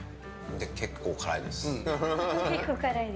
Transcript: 結構辛いです。